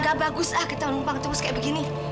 gak bagus ah kita numpang terus kayak begini